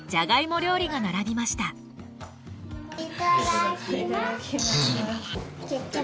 いただきます。